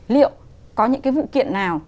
liệu có những cái vụ kiện nào